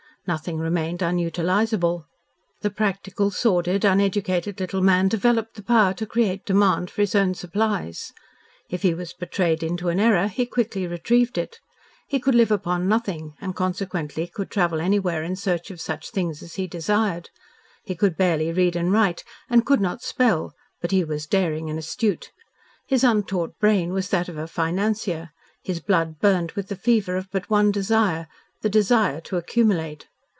Nothing remained unutilisable. The practical, sordid, uneducated little man developed the power to create demand for his own supplies. If he was betrayed into an error, he quickly retrieved it. He could live upon nothing and consequently could travel anywhere in search of such things as he desired. He could barely read and write, and could not spell, but he was daring and astute. His untaught brain was that of a financier, his blood burned with the fever of but one desire the desire to accumulate.